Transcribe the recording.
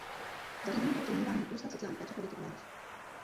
Zařízení bylo přejmenováno na „Ústav sociální péče pro děti a mládež“.